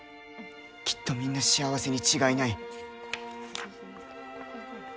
きっと、みんな幸せに違いない。